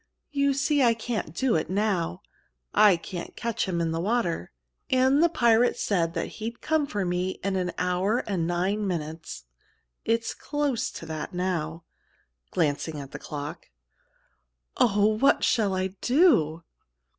You see, I can't do it now; I can't catch him in the water. And the pirate said he'd come for me in an hour and nine minutes. It's close to that now," glancing at the clock. "Oh, what shall I do?"